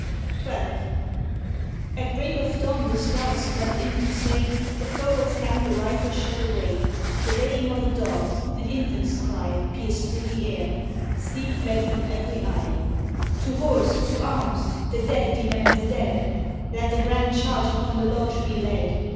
XII. At break of dawn the scouts crept in to say The foe was camped a rifle shot away. The baying of a dog, an infant's cry Pierced through the air; sleep fled from every eye. To horse! to arms! the dead demand the dead! Let the grand charge upon the lodge be led!